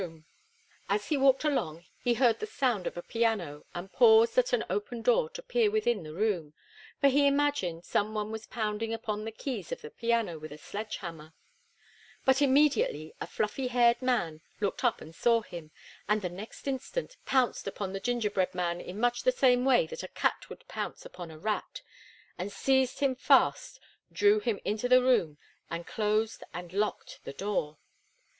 [Illustration: THE MUSICIAN THREW HIMSELF UPON THE PIANO] As he walked along he heard the sound of a piano, and paused at an open door to peer within the room, for he imagined some one was pounding upon the keys of the piano with a sledge hammer. But immediately a fluffy haired man looked up and saw him, and the next instant pounced upon the gingerbread man in much the same way that a cat would pounce upon a rat, and seized him fast, drew him into the room, and closed and locked the door.